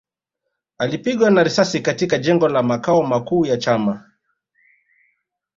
Alipigwa na risasi katika jengo la makao makuu ya chama